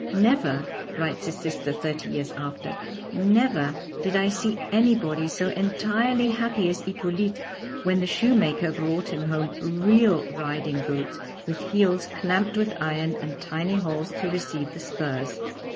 'Never,' writes his sister thirty years after, 'never did I see anybody so entirely happy as Hippolyte when the shoemaker brought him home real riding boots with heels clamped with iron, and tiny holes to receive the spurs.